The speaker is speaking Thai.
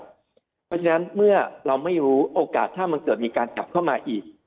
เพราะฉะนั้นเมื่อเราไม่รู้โอกาสถ้ามันเกิดมีการกลับเข้ามาอีก